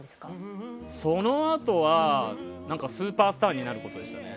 そのあとはスーパースターになることでしたね。